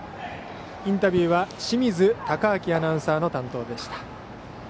インタビューは清水敬亮アナウンサーの担当でした。